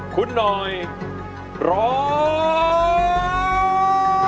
คุณหน่อยร้อง